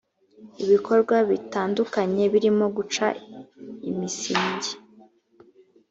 ibikorwa bitandukanye birimo guca imisingi